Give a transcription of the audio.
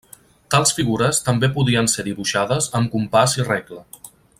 Tals figures també podien ser dibuixades amb compàs i regla.